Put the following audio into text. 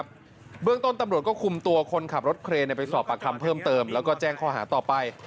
เบื้องต้นตำรวจก็คุมตัวคนขับรถเครนไปสอบปากคำเพิ่มเติมแล้วก็แจ้งข้อหาต่อไป